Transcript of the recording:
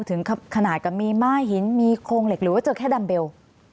ถึงขนาดกับมีม้าหินมีโครงเหล็กหรือว่าเจอแค่ดัมเบล